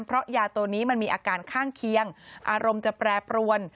เพราะยาตัวนี้มันมีอาการข้างเคียงอารมณ์จะแปรปรวน